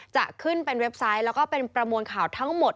จะขึ้นเป็นเว็บไซต์แล้วก็เป็นประมวลข่าวทั้งหมด